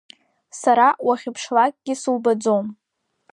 Сара уахьыԥшлакгьы субаӡом.